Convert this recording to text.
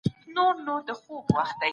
دوی باید په خپل هېواد ویاړ وکړي.